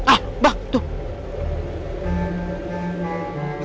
ah bang tuh